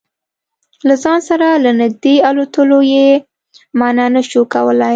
له ځان سره له نږدې الوتلو یې منع نه شو کولای.